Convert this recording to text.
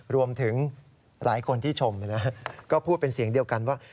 รวมถึงหลายคนที่ชมก็พูดเป็นเสียงเดียวกันว่า